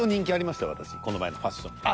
この前のファッションとか。